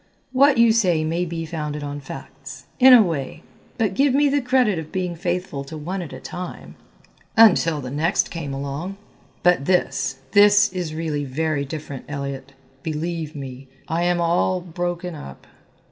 "What you say may be founded on facts in a way but give me the credit of being faithful to one at a time " "Until the next came along." "But this, this is really very different. Elliott, believe me, I am all broken up."